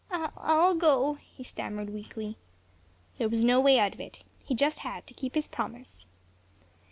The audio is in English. "I—I'll go," he stammered weakly. There was no way out of it; he just had to keep his promise.